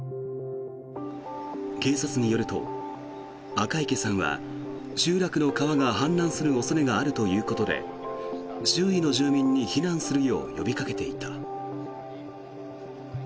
警察によると、赤池さんは集落の川が氾濫する恐れがあるということで周囲の住民に避難するよう呼びかけていた。